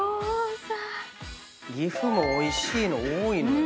岐阜もおいしいの多いのよなぁ。